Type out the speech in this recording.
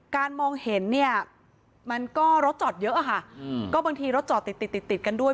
การมองเห็นมันก็รถจอดเยอะค่ะก็บางทีรถจอดติดกันด้วย